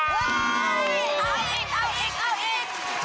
เอ้าอีก